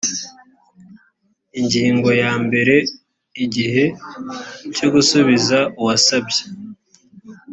ingingo ya mbere igihe cyo gusubiza uwasabye